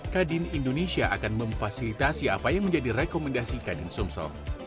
kadin indonesia akan memfasilitasi apa yang menjadi rekomendasi kadin sumsel